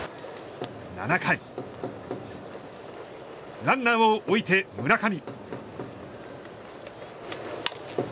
７回ランナーを置いて、村上。